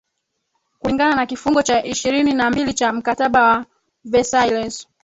kulingana na kifungo cha ishirini na mbili cha mkataba wa Versailles